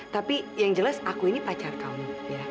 tapi yang jelas aku ini pacar kamu